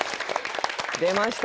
出ました